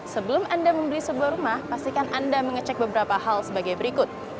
sebelum anda membeli sebuah rumah pastikan anda mengecek beberapa hal sebagai berikut